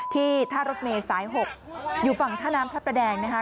ที่ท่ารถเมย์สาย๖อยู่ฝั่งท่าน้ำพระประแดงนะคะ